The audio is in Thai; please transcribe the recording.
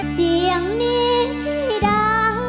เสียงนี้ที่ดัง